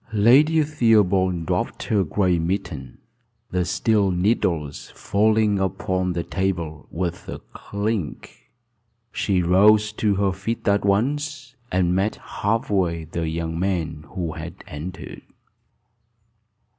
Lady Theobald dropped her gray mitten, the steel needles falling upon the table with a clink. She rose to her feet at once, and met half way the young man who had entered.